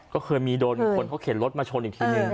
ก็เคยมีโดนคนเขาเข็นรถมาชนอีกทีหนึ่ง